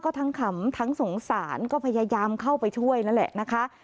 ก็ทั้งขำทั้งสงสารก็พยายามเข้าไปช่วยนั่นแหละนะคะ